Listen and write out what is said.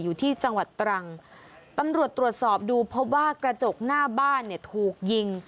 อยู่ที่จังหวัดตรังตำรวจตรวจสอบดูพบว่ากระจกหน้าบ้านเนี่ยถูกยิง